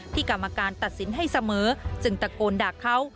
กรรมการตัดสินให้เสมอจึงตะโกนด่าเขา